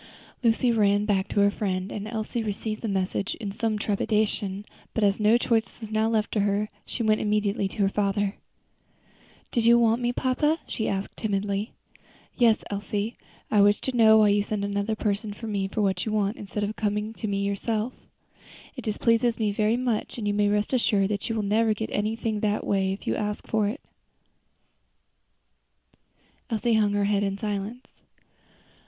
Lucy ran back to her friend, and Elsie received the message in some trepidation, but as no choice was now left her, she went immediately to her father. "Did you want me, papa?" she asked timidly. "Yes, Elsie; I wish to know why you send another person to me for what you want, instead of coming yourself. It displeases me very much, and you may rest assured that you will never get anything that you ask for in that way." Elsie hung her head in silence.